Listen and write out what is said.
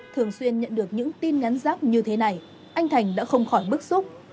thường xuyên nhận được những tin ngắn giác như thế này anh thành đã không khỏi bức xúc